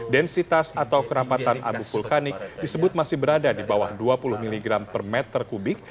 densitas atau kerapatan abu vulkanik disebut masih berada di bawah dua puluh mg per meter kubik